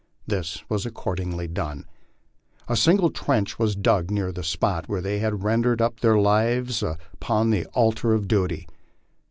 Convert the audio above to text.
This was accordingly done. A single trench was dug near the spot where they had rendered up their lives upon the altar of duty.